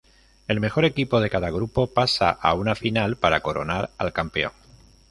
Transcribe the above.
El mejor equipo de cada grupo pasa a una final para coronar al campeón.